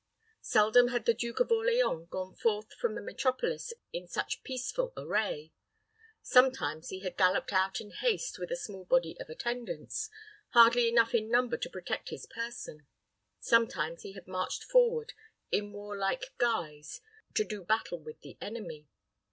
Seldom had the Duke of Orleans gone forth from the metropolis in such peaceful array. Sometimes he had galloped out in haste with a small body of attendants, hardly enough in number to protect his person; sometimes he had marched forward in warlike guise, to do battle with the enemy.